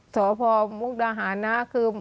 สถพมกรรษณะคือ